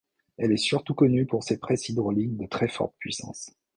Elle est surtout connue pour ses presses hydrauliques de très forte puissance.